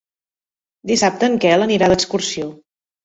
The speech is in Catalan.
Dissabte en Quel anirà d'excursió.